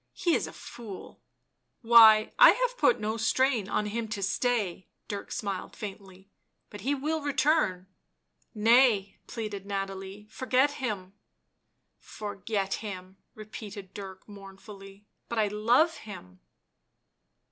" He is a fool." " Why, I have put no strain on him to stay," Dirk smiled faintly. " But he will return." " Nay," pleaded Nathalie, " forget him." " Forget him!" repeated Dirk mournfully. "But I love him."